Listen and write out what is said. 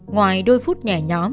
ngoài đôi phút nhẹ nhóm